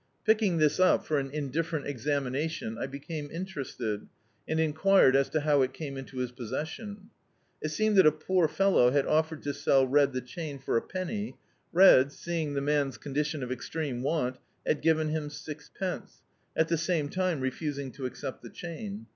Picking this up, for an indifferent exami nation, I became interested, and enquired as to how it came into his possession. It seemed that a poor fellow had offered to sell Red the chain for a penny. Red, seeing the man's condition of extreme want, had given him sixpence, at the same time refusing to accept the chain.